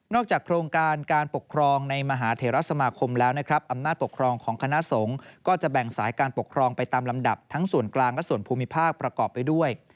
โครงการการปกครองในมหาเทราสมาคมแล้วนะครับอำนาจปกครองของคณะสงฆ์ก็จะแบ่งสายการปกครองไปตามลำดับทั้งส่วนกลางและส่วนภูมิภาคประกอบไปด้วย